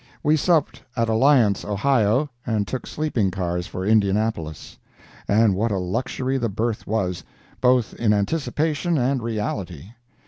We supped at Alliance, Ohio, and took sleeping cars for Indianapolis. And what a luxury the berth was, both in anticipation and reality!